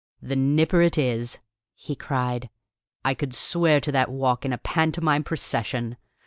"The Nipper it is!" he cried. "I could swear to that walk in a pantomime procession!